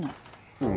うん。